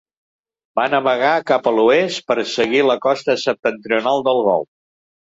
Va navegar cap a l'oest per seguir la costa septentrional del Golf.